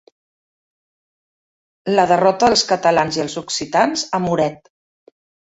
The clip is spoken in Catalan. La derrota dels catalans i els occitans a Muret.